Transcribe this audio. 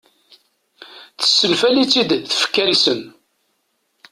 Tessenfali-tt-id tfekka-nsen.